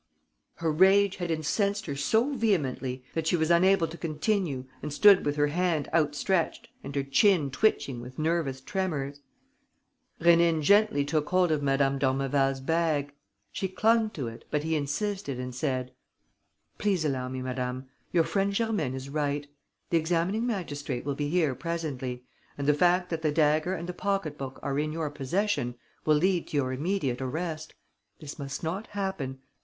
Her rage had incensed her so vehemently that she was unable to continue and stood with her hand outstretched and her chin twitching with nervous tremors. Rénine gently took hold of Madame d'Ormeval's bag. She clung to it, but he insisted and said: "Please allow me, madame. Your friend Germaine is right. The examining magistrate will be here presently; and the fact that the dagger and the pocket book are in your possession will lead to your immediate arrest. This must not happen.